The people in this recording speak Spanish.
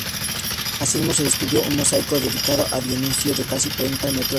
Asimismo se descubrió un mosaico dedicado a Dioniso de casi treinta metros cuadrados.